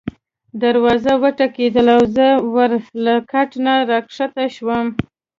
دروازه وټکېدله او زه ورو له کټ نه راکښته شوم.